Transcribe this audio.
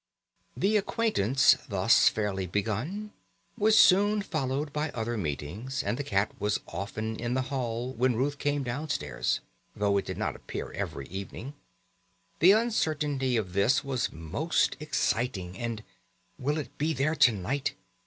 The acquaintance thus fairly begun was soon followed by other meetings, and the cat was often in the hall when Ruth came downstairs, though it did not appear every evening. The uncertainty of this was most exciting, and "Will it be there to night?"